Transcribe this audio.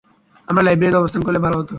আমরা লাইব্রেরিতে অবস্থান করলেই ভালো হতো।